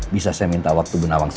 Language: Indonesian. bisa saya minta waktu benawang